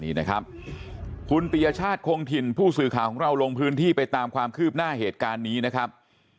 นี่นะครับคุณปียชาติคงถิ่นผู้สื่อข่าวของเราลงพื้นที่ไปตามความคืบหน้าเหตุการณ์นี้นะครับ